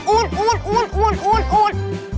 อุด